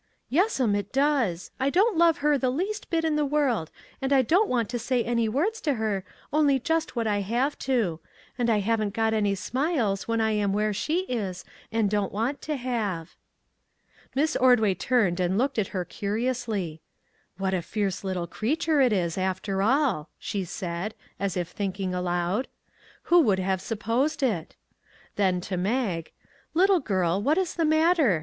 " Yes'm, it does ; I don't love her the least bit in the world and I don't want to say any words to her, only just what I have to ; and I haven't got any smiles when I am where she is, and don't want to have." Miss Ordway turned and looked at her curi ously. " What a fierce little creature it is, after all !" she said, as if thinking aloud ;" who would have supposed it ?" Then, to Mag :" Little girl, what is the matter